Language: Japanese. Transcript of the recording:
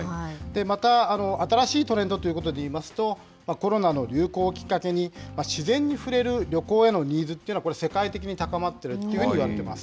また、新しいトレンドということでいいますと、コロナの流行をきっかけに、自然に触れる旅行へのニーズというのは、これ、世界的に高まってるというふうにいわれています。